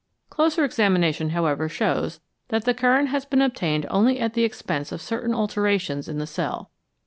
Closer examination, however, shows that the current has been obtained only at the expense of certain alterations in the cell.